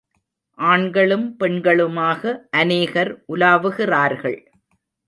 ஆண்களும் பெண்களுமாக அநேகர் உலாவுகிறார்கள்.